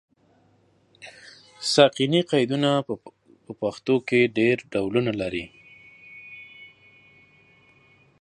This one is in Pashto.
ساکني قیدونه په پښتو کې ډېر ډولونه لري.